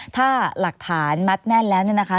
ถ้าหลักฐานมัดแน่นแล้วเนี่ยนะคะ